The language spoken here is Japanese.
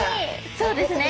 そうですね。